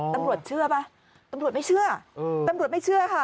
ตำรวจเชื่อป่ะตำรวจไม่เชื่อค่ะ